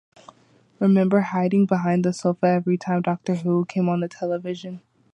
"Remember hiding behind the sofa every time "Doctor Who" came on the television?